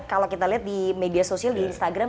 kalau kita lihat di media sosial di instagram